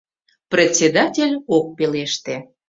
Председатель ок пелеште.